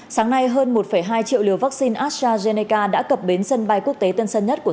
sáng nay hơn một hai triệu liều vaccine astrazeneca đã cập bến sân bay quốc tế tân sơn nhất của